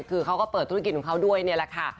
คือเขาก็เปิดธุรกิจของเขาด้วยนี่แหละค่ะ